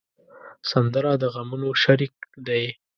سندره د غمونو شریک دی